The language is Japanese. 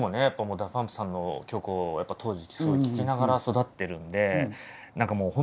ＤＡＰＵＭＰさんの曲を当時すごい聴きながら育ってるんで何かもう本当スマッシュヒットをね